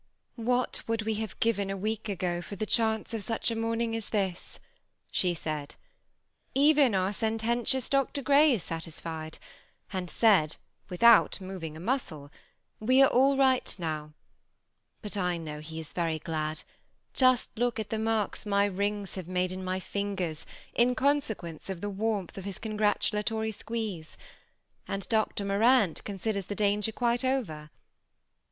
^' What would we have given a week ago for the chance of such a morning as this ?" she said. ^' Even our sententious Dr. Grey is satisfied, and said, without moving a muscle, ' We are all right now ;' but I know he is very glad : just look at the marks my rings have made in my fingers, in consequence of the warmth of his congratulatory squeeze ; and Dr. Morant considers the danger quite over.